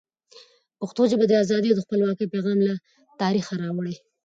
پښتو ژبه د ازادۍ او خپلواکۍ پیغام له تاریخه را وړي.